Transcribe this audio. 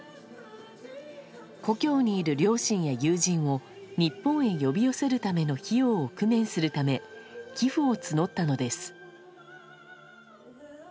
故郷にいる両親や友人を日本へ呼び寄せるための費用を工面するため寄付を募ったのです。